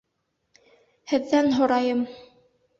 Һеҙҙән һорайым!?